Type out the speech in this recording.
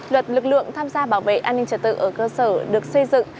luật lực lượng tham gia bảo vệ an ninh trật tự ở cơ sở được xây dựng